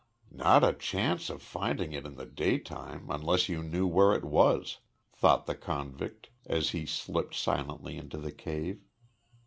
"Not a chance of finding it in the daytime unless you knew where it was," thought the convict as he slipped silently into the cave.